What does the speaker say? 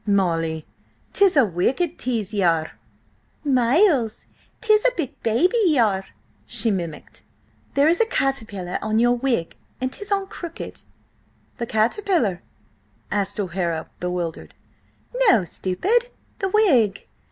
"Molly, 'tis a wicked tease ye are!" "Miles, 'tis a big baby you are!" she mimicked. "There is a caterpillar on your wig, and 'tis on crooked." "The caterpillar?" asked O'Hara, bewildered. "No, stupid, the wig.